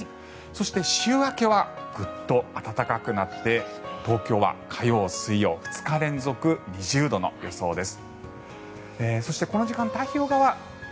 そして、週明けはぐっと暖かくなって東京は火曜、水曜２日連続２０度の予想です。